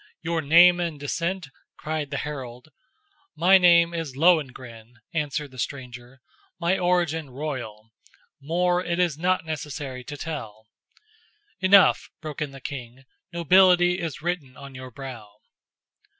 "Your name and descent?" cried the herald. "My name is Lohengrin," answered the stranger, "my origin royal: more it is not necessary to tell." "Enough," broke in the king, "nobility is written on your brow."